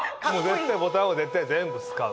ボタンは絶対全部使う。